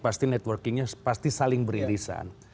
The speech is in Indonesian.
pasti networkingnya pasti saling beririsan